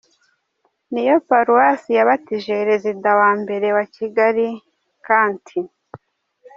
Ni yo paruwasi yabatije Rezida wa Mbere wa Kigali, Kandt.